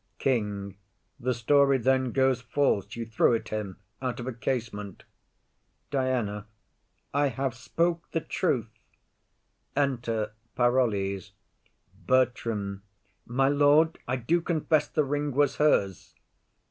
KING. The story then goes false you threw it him Out of a casement. DIANA. I have spoke the truth. Enter Attendant with Parolles. BERTRAM. My lord, I do confess the ring was hers.